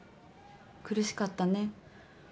苦しかったね。